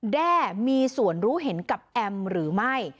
แด้มีส่วนรู้เห็นกับแอมหรือไม่